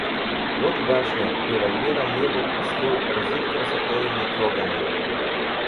Вот башня, револьвером небу к виску, разит красотою нетроганой.